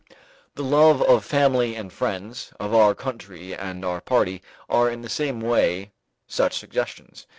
The love of family and friends, of our country and our party are in the same way such suggestions.